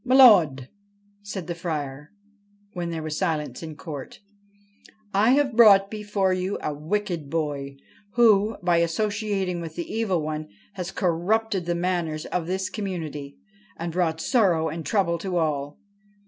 ' M'lud I ' said the Friar when there was silence in court ;' I have brought before you a wicked boy who, by associating with the Evil One, has corrupted the manners of this community, and brought sorrow and trouble to all.